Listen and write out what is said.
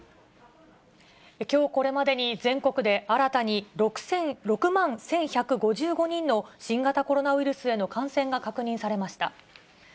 きょう、これまでに全国で新たに６万１１５５人の新型コロナウイルスへの感染が確認されました。